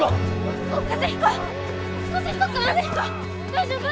大丈夫？